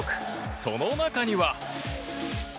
その中には。